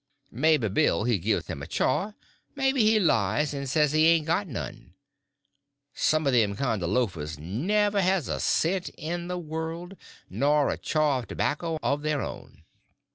Maybe Bill he gives him a chaw; maybe he lies and says he ain't got none. Some of them kinds of loafers never has a cent in the world, nor a chaw of tobacco of their own.